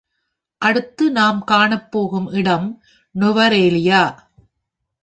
அடுத்து நாம் காணப்போகும் இடம் நுவாரலியா.